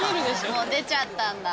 もう出ちゃったんだ。